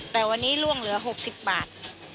แต่วันนี้ล่วงเหลือ๖๐บาท